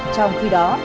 trong khi đó